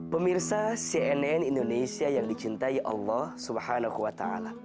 pemirsa cnn indonesia yang dicintai allah swt